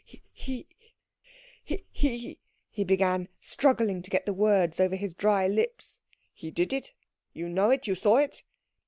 "He he " he began, struggling to get the words over his dry lips. "He did it? You know it? You saw it?"